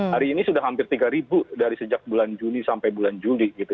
hari ini sudah hampir tiga ribu dari sejak bulan juni sampai bulan juli gitu